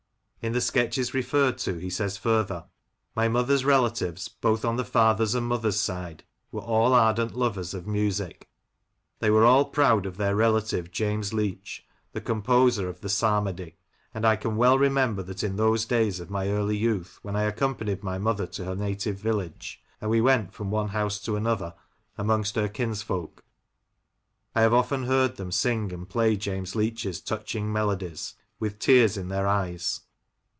In the sketches referred to he says further :—'' My mother's relatives, both on the father's and mother's side, were all ardent lovers of music. ... They were all proud of their relative, James Leach, the composer of the * Psalmody/ and I can well remember that in those days of my early youth, when I accompanied my mother to her native village, and we went from one house to another amongst her kinsfolk, I have often heard them sing and play James Leach's touching melodies, with tears in their eyes.